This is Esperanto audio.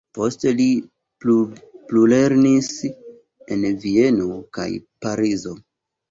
Poste li plulernis en Vieno kaj Parizo.